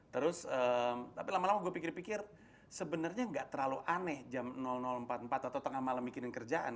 terus tapi lama lama gue pikir pikir sebenarnya nggak terlalu aneh jam empat puluh empat atau tengah malam mikirin kerjaan